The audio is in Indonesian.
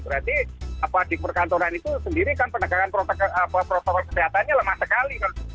berarti di perkantoran itu sendiri kan penegakan protokol kesehatannya lemah sekali